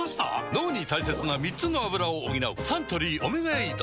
脳に大切な３つのアブラを補うサントリー「オメガエイド」